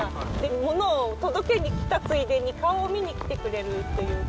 物を届けにきたついでに、顔を見に来てくれるっていうか。